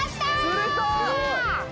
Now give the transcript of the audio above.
釣れた！